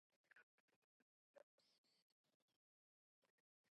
什么嘛，女鬼胸还蛮大的嘛